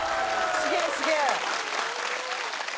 すげえすげえ！